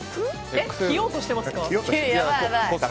着ようとしてますか？